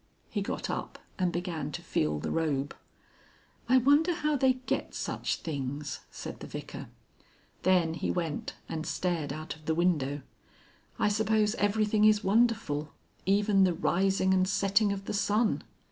He got up and began to feel the robe. "I wonder how they get such things," said the Vicar. Then he went and stared out of the window. "I suppose everything is wonderful, even the rising and setting of the sun.